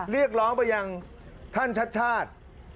เรียกร้องไปยังท่านชัดชาติ